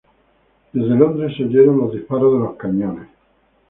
Desde Londres se oyeron los disparos de los cañones.